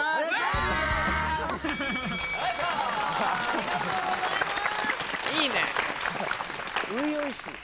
ありがとうございます